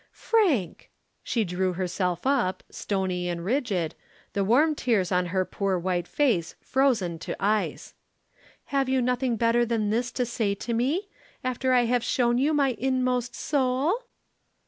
"Frank!" She drew herself up, stony and rigid, the warm tears on her poor white face frozen to ice. "Have you nothing better than this to say to me, after I have shown you my inmost soul?"